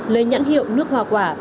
lấy nhãn hiệu nước hòa quả